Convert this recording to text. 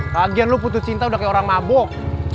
kagian lu putus cinta udah kayak orang mabok